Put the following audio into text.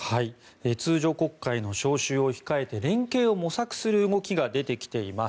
通常国会の召集を控えて連携を模索する動きが出てきています。